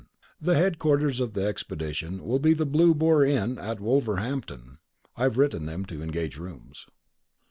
The headquarters of the expedition will be the Blue Boar Inn at Wolverhampton. (I've written to them to engage rooms.)